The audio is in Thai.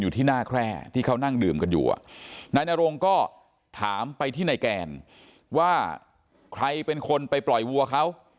อยู่ที่หน้าแคร่ที่เขานั่งดื่มกันอยู่นายนรงก็ถามไปที่นายแกนว่าใครเป็นคนไปปล่อยวัวเขา